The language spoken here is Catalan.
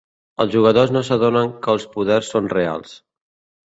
Els jugadors no s'adonen que els poders són reals.